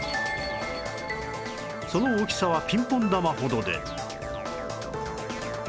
その大きさはピンポン玉ほどで